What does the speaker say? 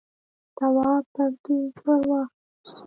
تواب پرتوگ ور واخیست.